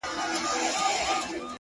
• خاوري دي ژوند سه، دا دی ارمان دی،